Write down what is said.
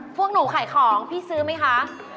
พวกหนูขายของพี่ซื้อไหมคะ